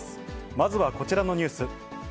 まずはこちらのニュース。